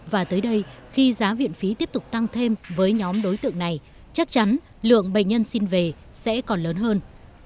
và tới đây khi giá viện phí tiếp tục tăng thêm với nhóm đối tượng này chắc chắn lượng bệnh nhân xin về sẽ còn lớn hơn